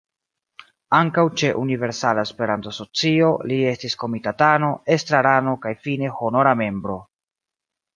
Ankaŭ ĉe Universala Esperanto-Asocio li estis komitatano, estrarano kaj fine Honora Membro.